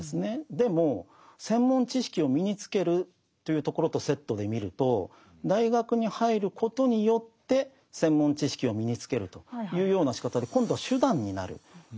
でも専門知識を身につけるというところとセットで見ると大学に入ることによって専門知識を身につけるというようなしかたで今度は手段になるわけです。